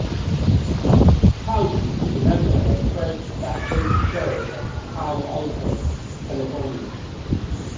Clausen was a member of the First Baptist Church of Palo Alto, California.